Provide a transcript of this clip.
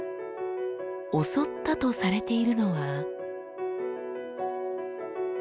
襲ったとされているのは。